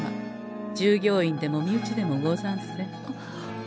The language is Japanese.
従業員でも身内でもござんせん。